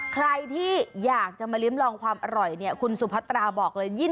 ใครที่อยากจะมาริมลองความอร่อยเนี่ยคุณสุพัตราบอกเลย